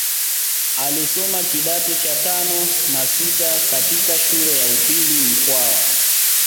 Alisoma kidato cha tano na sita katika shule ya upili mkwawa